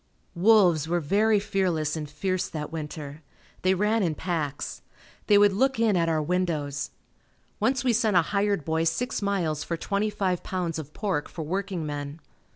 Wolves were very fearless and fierce that winter. They ran in packs. They would look in at our windows. Once we sent a hired boy six miles for twenty five pounds of pork for working men.